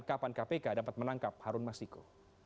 kapan kpk dapat menangkap harun masiku